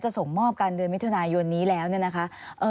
ส่งมอบกันเดือนมิถุนายนนี้แล้วเนี่ยนะคะ